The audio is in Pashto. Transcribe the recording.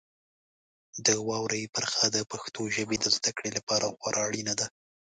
د واورئ برخه د پښتو ژبې د زده کړې لپاره خورا اړینه ده.